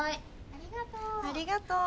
ありがとう。